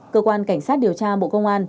cơ quan cảnh sát điều tra bộ công an